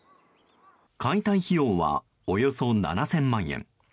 解体費用はおよそ７０００万円。